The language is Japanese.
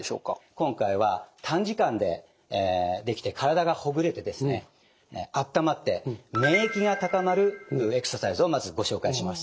今回は短時間でできて体がほぐれてあったまって免疫が高まるエクササイズをまずご紹介します。